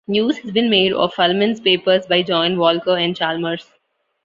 Use has been made of Fulman's papers by John Walker and Chalmers.